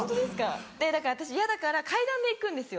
でだから私嫌だから階段で行くんですよ。